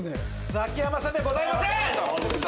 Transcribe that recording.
ザキヤマさんではございません。